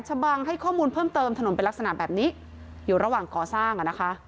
ชะบังให้ข้อมูลเพิ่มเติมถนนเป็นลักษณะแบบนี้อยู่ระหว่างก่อสร้างอ่ะนะคะ